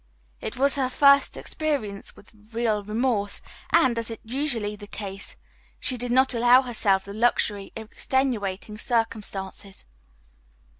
It was her first experience with real remorse and, as is usually the case, she did not allow herself the luxury of extenuating circumstances.